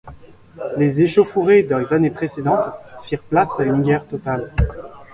Les échauffourées des années précédentes firent place à une guerre totale.